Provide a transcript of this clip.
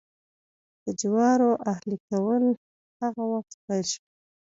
د جوارو اهلي کول هغه وخت پیل شول.